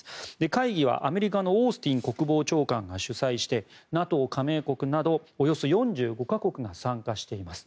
会議はアメリカのオースティン国防長官が主催してＮＡＴＯ加盟国などおよそ４５か国が参加しています。